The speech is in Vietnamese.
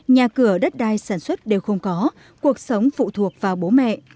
nhà cửa đất đai sản xuất đều không có cuộc sống phụ thuộc vào bố mẹ